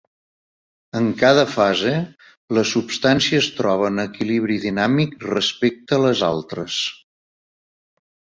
En cada fase, la substància es troba en equilibri dinàmic respecte a les altres.